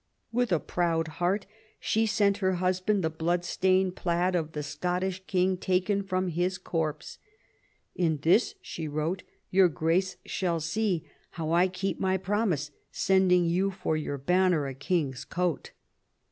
With a proud heart she sent her husband the blood stained plaid of the Scottish king, taken from his corpse. "In this," she wrote, " your Grace shall see how I keep my promise, sending you for your banner a king's coat."